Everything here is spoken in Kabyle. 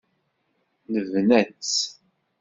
Nebna-tt.